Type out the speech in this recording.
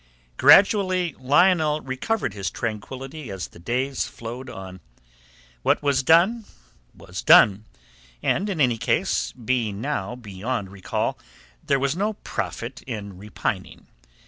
Gradually Lionel recovered his tranquillity as the days flowed on. What was done was done, and, in any case, being now beyond recall, there was no profit in repining.